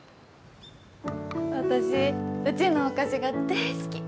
私うちのお菓子が大好き。